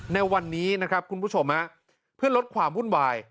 ในวันนี้นะครับคุณผู้ชมเพื่อลดความวุ่นวาย